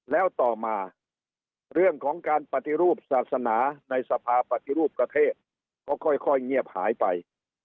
แล้วต่อมาเรื่องของการปฏิรูปศาสนาในสภาปฏิรูปประเทศก็ค่อยเงียบหายไป